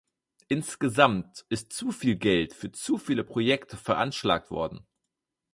Insgesamt ist zu viel Geld für zu viele Projekte veranschlagt worden.